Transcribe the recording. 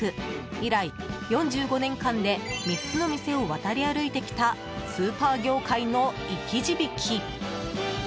以来４５年間で３つの店を渡り歩いてきたスーパー業界の生き字引。